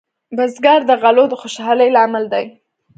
بزګر د غلو د خوشحالۍ لامل دی